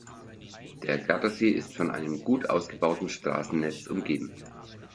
Der Gardasee ist von einem gut ausgebauten Straßennetz umgeben.